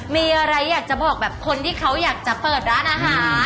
มีอะไรอยากจะบอกแบบคนที่เขาอยากจะเปิดร้านอาหาร